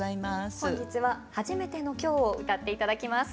本日は「初めての今日を」を歌って頂きます。